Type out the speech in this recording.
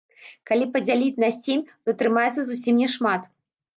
Калі падзяліць на сем, то атрымаецца зусім няшмат.